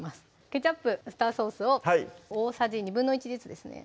ケチャップ・ウスターソースを大さじ１／２ずつですね